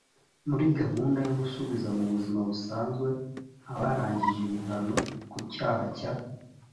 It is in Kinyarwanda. muri gahunda yo gusubiza mu buzima busanzwe abarangije ibihano ku cyaha cya